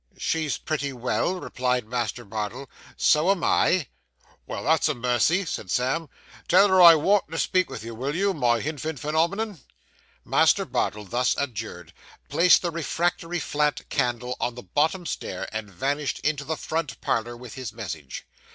'She's pretty well,' replied Master Bardell, 'so am I.' 'Well, that's a mercy,' said Sam; 'tell her I want to speak to her, will you, my hinfant fernomenon?' Master Bardell, thus adjured, placed the refractory flat candle on the bottom stair, and vanished into the front parlour with his message.